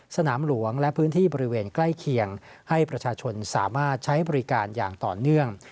สนามหลวงและพื้นที่บริเวณใกล้เคียงให้ประชาชนสามารถใช้บริการอย่างต่อเนื่อง